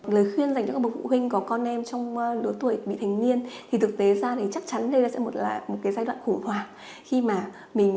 lời khuyên dành cho các bậc phụ huynh có con em trong lứa tuổi bị thành niên thì thực tế ra chắc chắn đây sẽ là một giai đoạn khủng hoảng